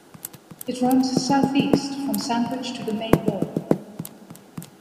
It runs southeast from Sandwich to the Maine border.